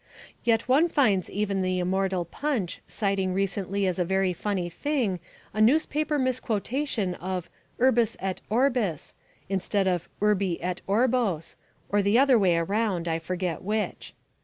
Yet one finds even the immortal Punch citing recently as a very funny thing a newspaper misquotation of "urbis et orbis" instead of "urbi et orbos," or the other way round. I forget which.